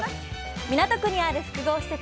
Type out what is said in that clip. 港区にある複合施設